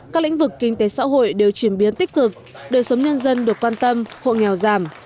các lĩnh vực kinh tế xã hội đều chuyển biến tích cực đời sống nhân dân được quan tâm hộ nghèo giảm